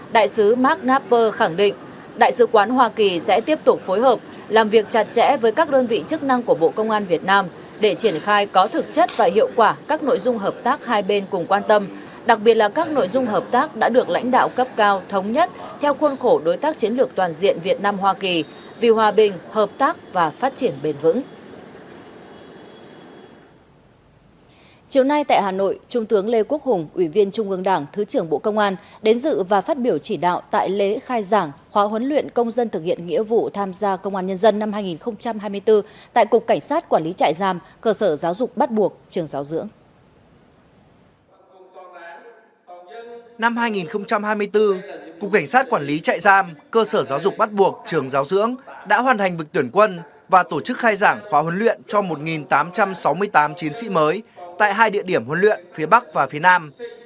năm hai nghìn hai mươi bốn cục cảnh sát quản lý trại giam cơ sở giáo dục bắt buộc trường giáo dưỡng đã hoàn thành vực tuyển quân và tổ chức khai giảng khóa huấn luyện cho một tám trăm sáu mươi tám chiến sĩ mới tại hai địa điểm huấn luyện phía bắc và phía nam